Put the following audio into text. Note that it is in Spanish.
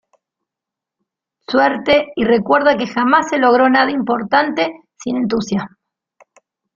Suerte y recuerda que “jamás se logró nada importante sin entusiasmo.